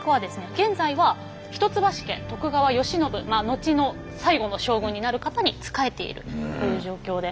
現在は一橋家徳川慶喜後の最後の将軍になる方に仕えているという状況で。